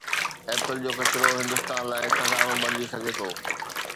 Apple جو ڪچرو هندستان لاءِ خزانو بڻجي سگهي ٿو